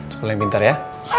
sekolah yang pintar ya